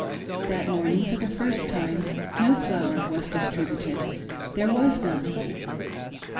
That morn ing, for the first time, no flour was distributed — there was none.